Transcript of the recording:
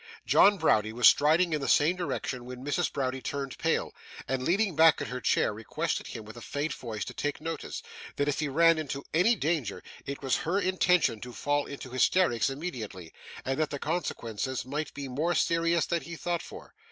John Browdie was striding in the same direction when Mrs. Browdie turned pale, and, leaning back in her chair, requested him with a faint voice to take notice, that if he ran into any danger it was her intention to fall into hysterics immediately, and that the consequences might be more serious than he thought for.